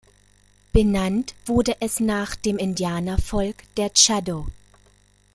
Benannt wurde es nach dem Indianervolk der Caddo.